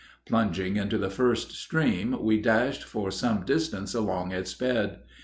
Plunging into the first stream, we dashed for some distance along its bed.